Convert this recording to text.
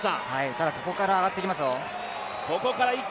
ただ、ここから上がってきますよ。